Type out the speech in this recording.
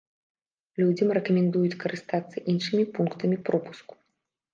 Людзям рэкамендуюць карыстацца іншымі пунктамі пропуску.